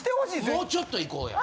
もうちょっといこうや。